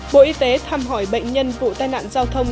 bộ y tế thăm hỏi bệnh nhân vụ tai nạn giao thông